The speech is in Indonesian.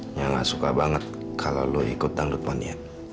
nya gak suka banget kalau lo ikut danglut ponian